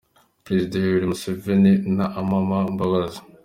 Perezida Yoweli Museveni na Amama Mbabazi